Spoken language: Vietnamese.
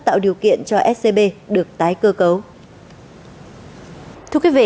tạo điều kiện cho scb được tái cơ cấu